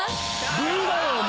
「ブ」だよお前。